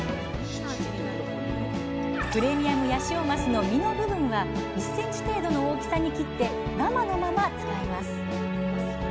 プレミアムヤシオマスの身の部分は１ｃｍ程度の大きさに切って生のまま使います。